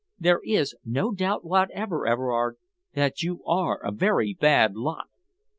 There is no doubt whatever, Everard, that you are a very bad lot."